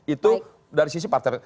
itu dari sisi partai